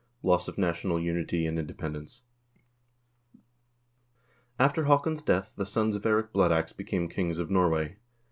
Loss of National Unity and Independence After Haakon's death the sons of Eirik Blood Ax became kings of Norway.